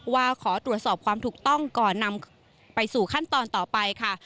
ว่าขอตรวจสอบความถูกต้องก่อนนำไปสู่ขั้นตอนต่อไปค่ะ